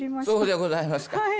そうでございますか。